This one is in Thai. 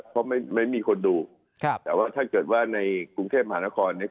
เพราะไม่ไม่มีคนดูครับแต่ว่าถ้าเกิดว่าในกรุงเทพมหานครเนี่ย